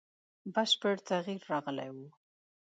بشپړ تغییر راغلی وو.